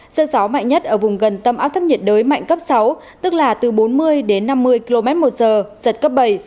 sức gió mạnh nhất ở vùng gần tâm áp thấp nhiệt đới mạnh cấp sáu tức là từ bốn mươi đến năm mươi km một giờ giật cấp bảy